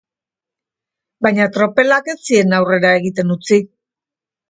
Baina tropelak ez zien aurrera egiten utzi.